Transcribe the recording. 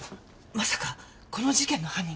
まさかこの事件の犯人が。